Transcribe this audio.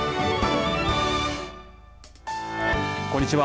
こんにちは。